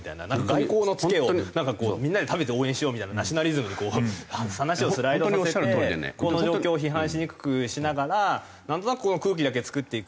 外交の付けをみんなで食べて応援しようみたいなナショナリズムに話をスライドさせてこの状況を批判しにくくしながらなんとなく空気だけ作っていく。